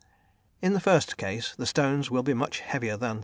In the first case, the stones will be much heavier than 3.